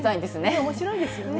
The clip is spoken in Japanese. おもしろいですよね。